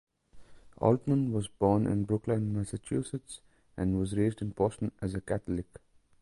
Altman was born in Brookline, Massachusetts, and was raised in Boston as a Catholic.